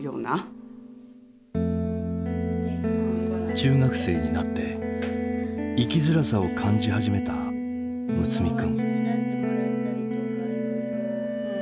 中学生になって生きづらさを感じ始めた睦弥君。